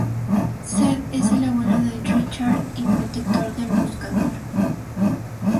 Zedd es el abuelo de Richard y protector de "El Buscador".